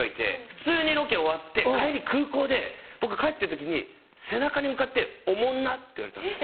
普通にロケ終わって帰り空港で僕帰ってる時に背中に向かって「おもんな」って言われたんですよ。